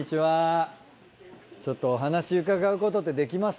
ちょっとお話伺うことってできます？